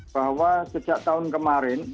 bahwa sejak tahun kemarin